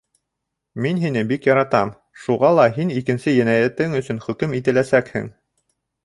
Мин һине бик яратам, Шуға ла һин икенсе енәйәтең өсөн хөкөм итәләсәкһең.